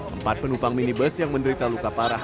empat penumpang minibus yang menderita luka parah